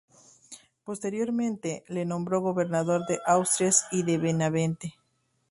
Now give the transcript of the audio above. Posteriormente, le nombró gobernador de Asturias y de Benavente.